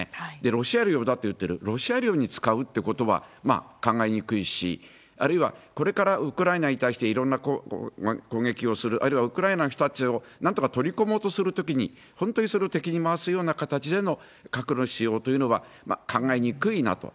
ロシア領だと言ってる、ロシア領に使うってことは考えにくいし、あるいはこれからウクライナに対していろんな攻撃をする、あるいはウクライナの人たちをなんとか取り込もうとするときに、本当にそれを敵に回すような形での核の使用というのは考えにくいなと。